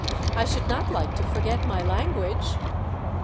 " I should not like to forget my language."